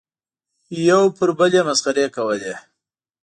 یو پر بل یې مسخرې کولې.